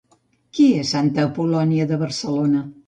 Qui és Santa Apol·lònia de Barcelona?